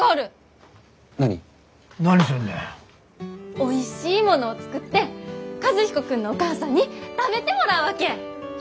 おいしいものを作って和彦君のお母さんに食べてもらうわけ！